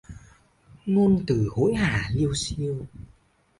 Ngôn từ hối hả liêu xiêu